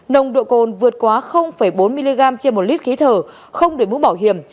nồng độ cồn vượt quá bốn mg trên một lít khí thở không đuổi bũ bảo hiểm